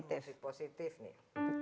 contoh musik positif nih